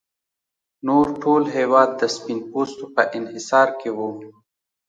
نور ټول هېواد د سپین پوستو په انحصار کې و.